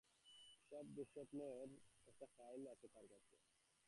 এমন সব দুঃস্বপ্নের একটা ফাইল তাঁর কাছে ছিল।